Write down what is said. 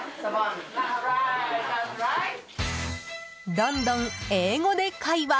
どんどん英語で会話！